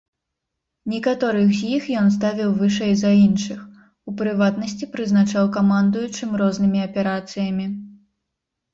Некаторых з іх ён ставіў вышэй за іншых, у прыватнасці, прызначаў камандуючым рознымі аперацыямі.